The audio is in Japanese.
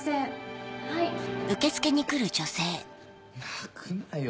泣くなよ。